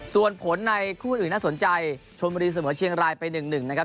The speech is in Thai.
ส่วนผลในคู่อื่นน่าสนใจชนบุรีเสมอเชียงรายไป๑๑นะครับ